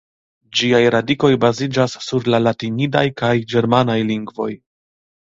Ĝiaj radikoj baziĝas sur la latinidaj kaj ĝermanaj lingvoj.